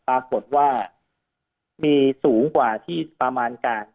ปรากฏว่ามีสูงกว่าที่ประมาณการ